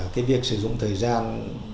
cái việc sử dụng thời gian